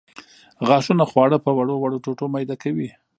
غاښونه خواړه په وړو وړو ټوټو میده کوي.